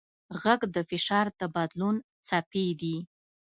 غږ د فشار د بدلون څپې دي.